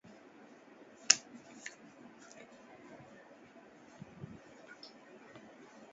Because of his wife's newfound faith, Rayford looks forward to time-and the possibilities-with Hattie.